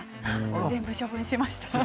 全部処分しました。